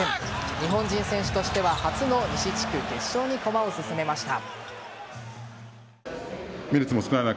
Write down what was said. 日本人選手としては初の地区決勝に駒を進めました。